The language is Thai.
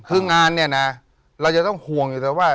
คืองานเนี่ยนะเราจะต้องห่วงอยู่แต่ว่า